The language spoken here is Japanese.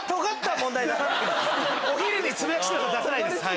お昼につぶやきシローさん出さないです。